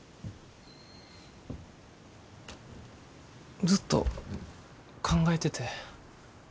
ずっと考えてて。